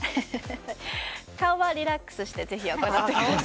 顔はリラックスして行ってください。